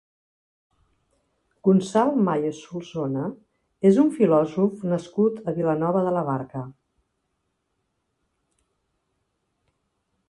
Gonçal Mayos Solsona és un filòsof nascut a Vilanova de la Barca.